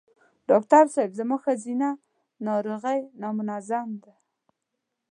ډاکټر صېب زما ښځېنه ناروغی نامنظم ده